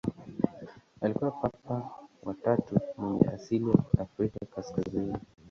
Alikuwa Papa wa tatu mwenye asili ya Afrika kaskazini.